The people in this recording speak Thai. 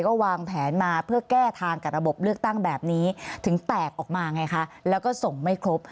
ก็วางแผนมาเพื่อแก้ทางกับระบบเลือกตั้งแบบนี้ถึงแตกออกมาไงคะแล้วก็ส่งไม่ครบ